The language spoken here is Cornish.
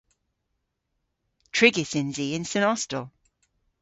Trigys yns i yn Sen Austel.